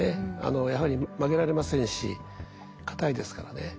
やはり曲げられませんし硬いですからね。